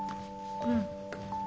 うん。